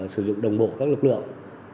sử dụng đồng bộ các lực lượng